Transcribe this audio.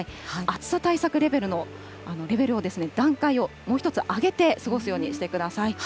暑さ対策レベルのレベルを、段階をもう１つ上げて過ごすようにしてください。